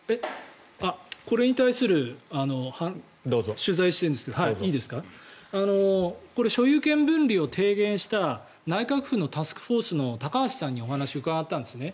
これに対する取材をしてるんですけどこれ、所有権分離を提言した内閣府のタスクフォースの高橋さんにお話を伺ったんですね。